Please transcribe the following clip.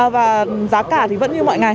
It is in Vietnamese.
và giá cả thì vẫn như mọi ngày